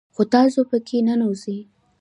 خو تاسو په كي ننوځئ